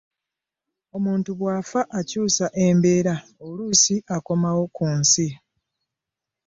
Omuntu bw'afa akyusa embeera oluusi akomawo ku nsi.